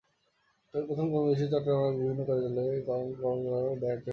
তবে প্রথম কর্মদিবসে চট্টগ্রাম নগরের বিভিন্ন সরকারি কার্যালয়ে তেমন কর্মচাঞ্চল্য চোখে পড়েনি।